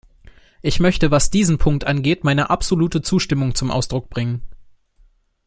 Ich möchte, was diesen Punkt angeht, meine absolute Zustimmung zum Ausdruck bringen.